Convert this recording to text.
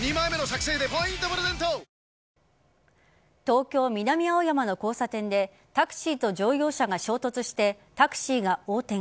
東京・南青山の交差点でタクシーと乗用車が衝突してタクシーが横転。